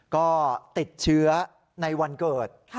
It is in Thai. ก็ติดเชื้อในวันเกิด